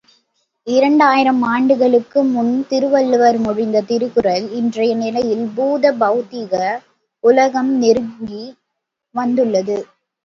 இரண்டாயிரம் ஆண்டுகளுக்கு முன் திருவள்ளுவர் மொழிந்த திருக்குறள், இன்றைய நிலையில் பூத, பெளதிக உலகம் நெருங்கி வந்துள்ளது.